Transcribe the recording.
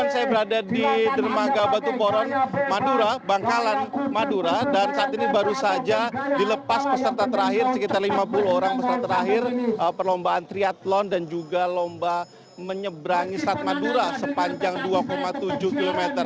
saya berada di dermaga batu borong madura bangkalan madura dan saat ini baru saja dilepas peserta terakhir sekitar lima puluh orang peserta terakhir perlombaan triathlon dan juga lomba menyebrangi selat madura sepanjang dua tujuh km